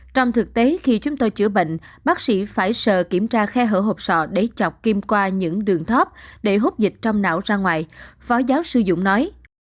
trong thực tế khi chúng tôi chữa bệnh bác sĩ phải sợ kiểm tra khe hở hộp sọ để chọc kim qua những đường thóp để hút dịch trong não ra ngoài phó giáo sư dũng nói